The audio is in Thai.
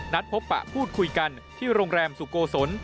พบปะพูดคุยกันที่โรงแรมสุโกศล